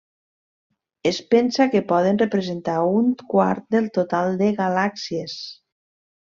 Es pensa que poden representar un quart del total de galàxies.